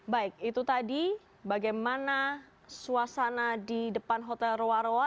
baik itu tadi bagaimana suasana di depan hotel roa roa